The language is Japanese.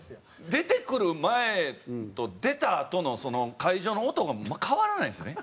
出てくる前と出たあとの会場の音が変わらないんですね